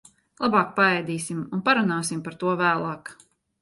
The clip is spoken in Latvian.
Labāk paēdīsim un parunāsim par to vēlāk.